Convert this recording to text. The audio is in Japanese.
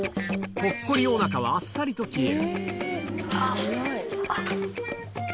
ぽっこりおなかはあっさりとあっ。